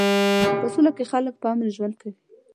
په سوله کې خلک په امن ژوند کوي.